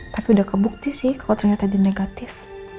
tapi udah kebukti sih kalau ternyata dia negatif